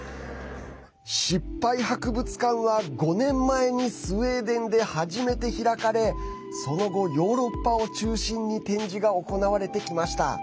失敗博物館は５年前にスウェーデンで初めて開かれその後、ヨーロッパを中心に展示が行われてきました。